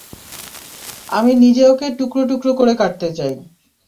আমি নিজে ওকে টুকরো-টুকরো করে কাটতে চাই।